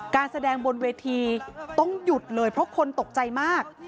การแสดงบนเวทีต้องหยุดเลยเพราะคนตกใจมาก